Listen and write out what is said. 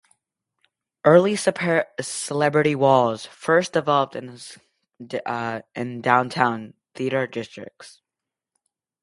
Early celebrity walls first developed in downtown theater districts.